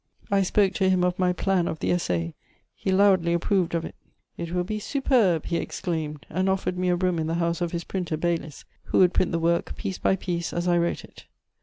I spoke to him of my plan of the Essai; he loudly approved of it: "It will be superb!" he exclaimed, and offered me a room in the house of his printer, Baylis, who would print the work piece by piece as I wrote it.